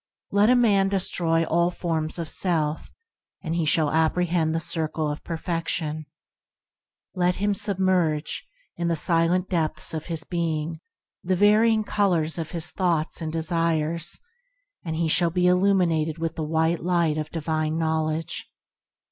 Let a man destroy all the forms of self, and he shall apprehend the Circle of Perfection; let him THE "ORIGINAL SIMPLICITY" 101 submerge, in the silent depths of his being, the varying colors of his thoughts and desires, and he shall be illuminated with the White Light of Divine Knowledge.